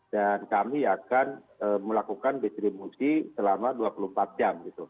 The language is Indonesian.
dan kami akan melakukan distribusi selama dua puluh empat jam